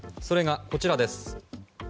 それがこちらです。